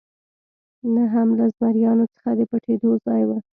نه هم له زمریانو څخه د پټېدو ځای و.